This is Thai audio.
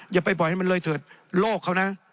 อย่าไปปล่อยให้มันเลยเถิดโลกเขานะ